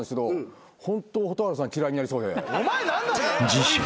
［次週］